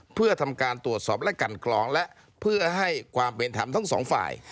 เพื่อทำการตรวจสอบและกันกรองและเพื่อให้ความเป็นธรรมทั้งสองฝ่าย